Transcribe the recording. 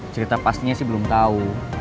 cerita pastinya sih belum tahu